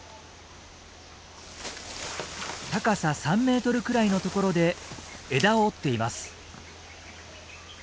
高さ３メートルくらいの所で枝を折っています。